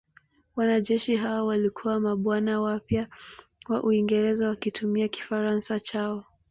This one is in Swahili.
Wanajeshi hao walikuwa mabwana wapya wa Uingereza wakitumia Kifaransa chao.